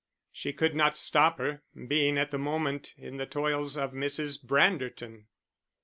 She could not stop her, being at the moment in the toils of Mrs. Branderton.